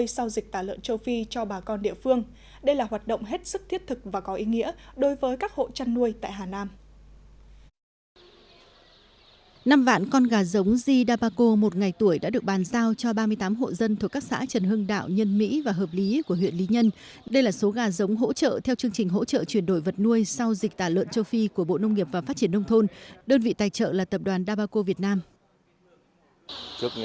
sở nông nghiệp và phát triển nông thôn tỉnh hà nam tổ chức bàn giao gà giống hỗ trợ chuyển đổi vật nuôi sau dịch tả lợn châu phi cho bà con địa phương